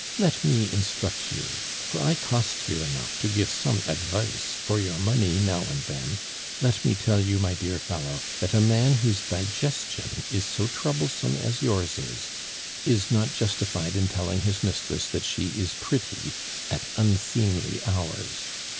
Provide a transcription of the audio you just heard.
Let me instruct you for I cost you enough to give some advice for your money now and then let me tell you, my dear fellow, that a man whose digestion is so troublesome as yours is, is not justified in telling his mistress that she is pretty at unseemly hours.